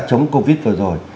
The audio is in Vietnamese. chống covid vừa rồi